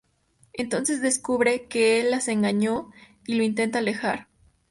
Entonces descubren que el las está engañando y lo intenta alejar.